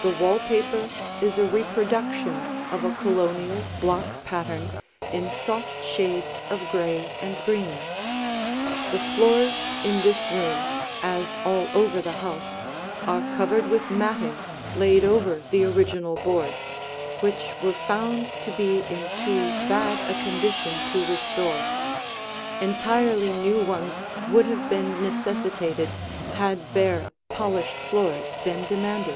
The wall paper is a reproduction of a Colonial block pattern in soft shades of gray and green. The floors in this room, as all over the house, are covered with matting laid over the original boards, which were found to be in too bad a condition to restore; entirely new ones would have been necessitated had bare, polished floors been demanded.